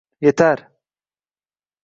«Yetar!